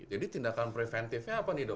jadi tindakan preventifnya apa nih dok